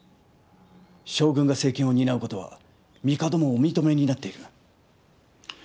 将軍が政権を担うことはみかどもお認めになっている。